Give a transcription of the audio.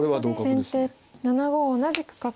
先手７五同じく角。